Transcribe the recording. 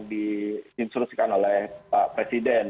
disimplosikan oleh pak presiden